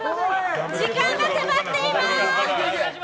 時間が迫っています！